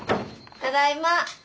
ただいま。